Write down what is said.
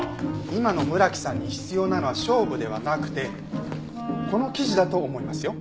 今の村木さんに必要なのは勝負ではなくてこの記事だと思いますよ。